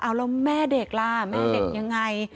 เอาแล้วแม่เด็กล่ะแม่เด็กยังไง